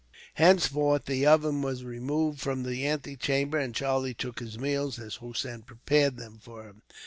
Henceforth the oven was removed from the antechamber, and Charlie took his meals as Hossein prepared them for him.